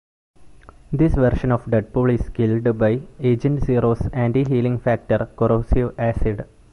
This version of Deadpool is killed by Agent Zero's Anti-Healing Factor corrosive acid.